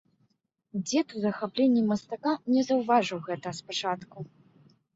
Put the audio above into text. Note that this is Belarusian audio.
Дзед у захапленні мастака не заўважыў гэта спачатку.